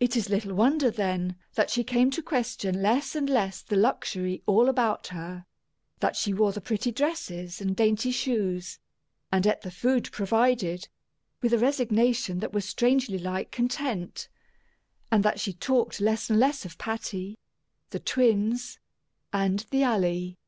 It is little wonder, then, that she came to question less and less the luxury all about her; that she wore the pretty dresses and dainty shoes, and ate the food provided, with a resignation that was strangely like content; and that she talked less and less of Patty, the twins, and the Alley.